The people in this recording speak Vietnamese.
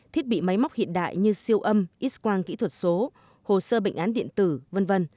thiết bị máy móc hiện đại như siêu âm x quang kỹ thuật số hồ sơ bệnh án điện tử v v